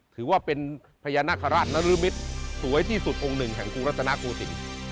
ถือว่าเป็นพญานาคาราชนรมิตรสวยที่สุดองค์หนึ่งแห่งกรุงรัฐนาโกศิลป์